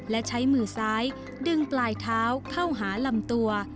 และใช้มือซ้ายดึงปลายเท้าเข้าหาลำตัว